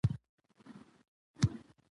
پر مهال کوشش وکړي